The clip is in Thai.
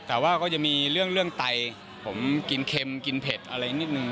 แต่ว่าก็จะมีเรื่องไตผมกินเค็มกินเผ็ดอะไรนิดนึง